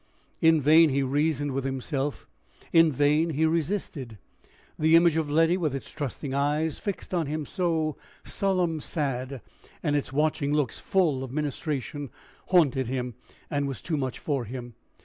In vain he reasoned with himself, in vain he resisted. The image of Letty, with its trusting eyes fixed on him so "solemn sad," and its watching looks full of ministration, haunted him, and was too much for him.